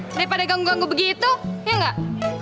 daripada ganggu ganggu begitu ya nggak